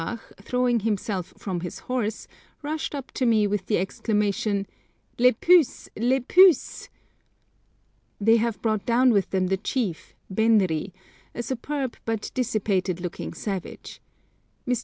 throwing himself from his horse, rushed up to me with the exclamation, Les puces! les puces! They have brought down with them the chief, Benri, a superb but dissipated looking savage. Mr.